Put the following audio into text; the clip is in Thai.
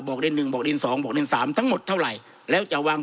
ดินหนึ่งบอกดินสองบอกดินสามทั้งหมดเท่าไหร่แล้วจะวาง